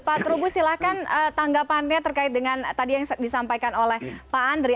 pak trubus silahkan tanggapannya terkait dengan tadi yang disampaikan oleh pak andri